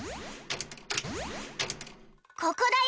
ここだよ